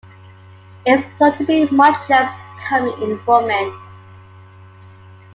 It is thought to be much less common in women.